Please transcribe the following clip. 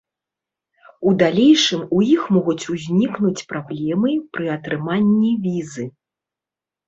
У далейшым у іх могуць узнікнуць праблемы пры атрыманні візы.